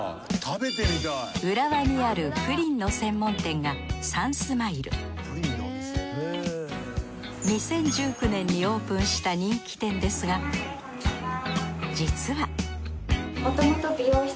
浦和にあるプリンの専門店が２０１９年にオープンした人気店ですが実はあっ美容室。